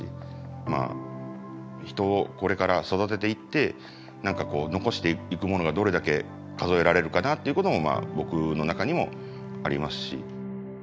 まあ人をこれから育てていって何か残していくものがどれだけ数えられるかなっていうことも僕の中にもありますし。